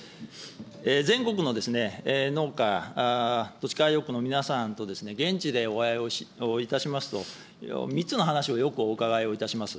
全国の農家、土地改良区の皆さんと、現地でお会いをいたしますと、３つの話をよくお伺いをいたします。